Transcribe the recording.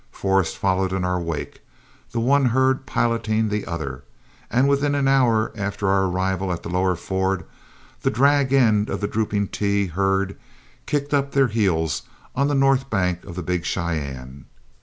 Forrest followed in our wake, the one herd piloting the other, and within an hour after our arrival at the lower ford, the drag end of the "Drooping T" herd kicked up their heels on the north bank of the Big Cheyenne.